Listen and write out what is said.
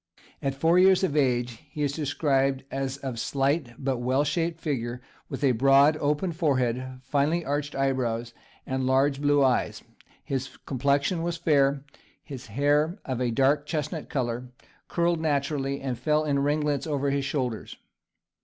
At four years of age he is described as of slight but well shaped figure, with a broad, open forehead, finely arched eyebrows, and large blue eyes; his complexion was fair, and his hair, of a dark chestnut colour, curled naturally, and fell in ringlets over his shoulders.